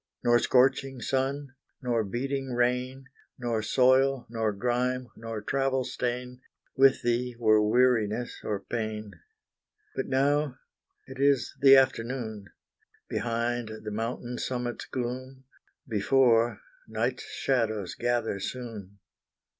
Nor scorching sun, nor beating rain, Nor soil, nor grime, nor travel stain, With thee, were weariness or pain. But now it is the afternoon Behind, the mountain summit's gloom: Before, night's shadows gather soon.